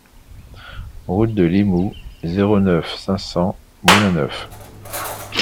Route de Limoux, zéro neuf, cinq cents Moulin-Neuf